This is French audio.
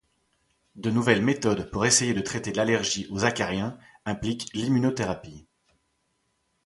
De nouvelles méthodes pour essayer de traiter l'allergie aux acariens impliquent l'immunothérapie.